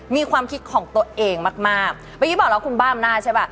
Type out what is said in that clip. มีความคิดของตัวเองมากมากเมื่อกี้บอกแล้วคุณบ้าอำนาจใช่ป่ะ